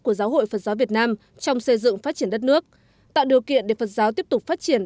của giáo hội phật giáo việt nam trong xây dựng phát triển đất nước tạo điều kiện để phật giáo tiếp tục phát triển